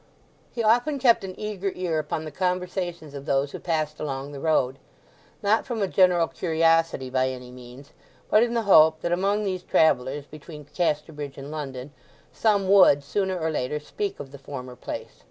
He often kept an eager ear upon the conversation of those who passed along the road—not from a general curiosity by any means—but in the hope that among these travellers between Casterbridge and London some would, sooner or later, speak of the former place.